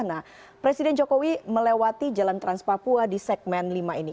nah presiden jokowi melewati jalan trans papua di segmen lima ini